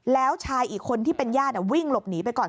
แล้วชายอีกคนที่เป็นญาติวิ่งหลบหนีไปก่อน